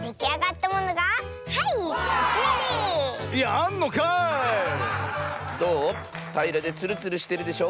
たいらでツルツルしてるでしょ？